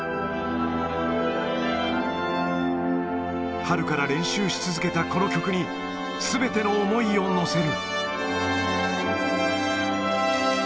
春から練習し続けたこの曲に、すべての思いを乗せる。